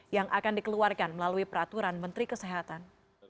yang akan dikeluarkan melalui peraturan menteri kesehatan